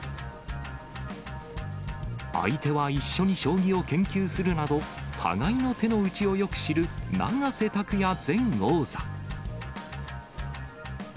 相手は一緒に将棋を研究するなど、互いの手の内をよく知る永瀬拓矢前王座。